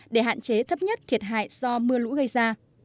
để hạn chế thấp nhất thiệt hại do mưa lũ gây ra